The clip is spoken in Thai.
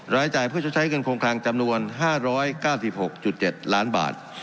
รายจ่ายเพื่อชดใช้เงินโครงคลังจำนวน๕๙๖๗ล้านบาท